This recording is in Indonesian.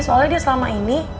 soalnya dia selama ini